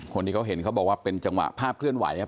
คนที่เขาเห็นเขาบอกว่าเป็นจังหวะภาพเคลื่อนไหวครับ